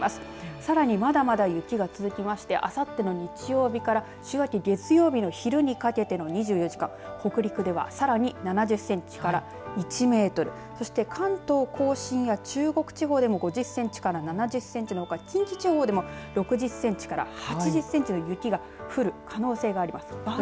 さらに、まだまだ雪が続きましてあさっての日曜日から週明け月曜日の昼にかけての２４時間北陸ではさらに７０センチから１メートルそして関東甲信や中国地方でも５０センチから７０センチのほか近畿地方でも６０センチから８０センチの雪が降る可能性があります。